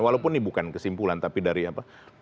walaupun ini bukan kesimpulan tapi dari apa